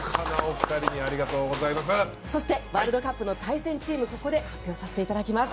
そして、ワールドカップの対戦チームをここで発表させていただきます。